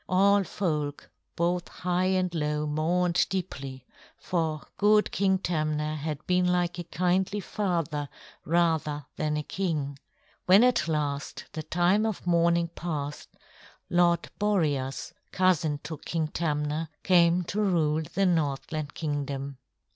All folk both high and low mourned deeply, for good King Tamna had been like a kindly father rather than a king. When at last the time of mourning passed, Lord Boreas, cousin to King Tamna, came to rule the Northland Kingdom.